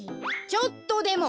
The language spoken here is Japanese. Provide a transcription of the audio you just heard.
ちょっとでも！